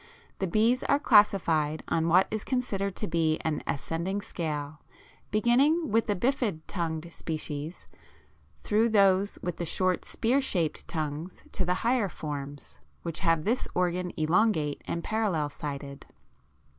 The bees are classified on what is considered to be an ascending scale, beginning with the bifid tongued species, through those with the short spear shaped tongues to the higher forms, which have this organ elongate and parallel sided.